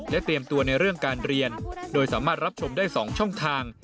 เตรียมตัวในเรื่องการเรียนโดยสามารถรับชมได้๒ช่องทาง